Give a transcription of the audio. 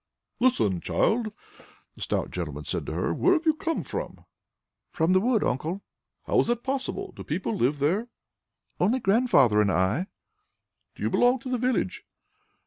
"Listen, child!" the stout gentleman said to her. "Where have you come from?" "From the wood, Uncle." "How is that possible? Do people live there?" "Only Grandfather and I." "Do you belong to the village?"